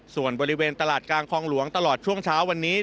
ส่วนบริเวณตลาดกลางคลองหลวงตลอดช่วงเช้าวันนี้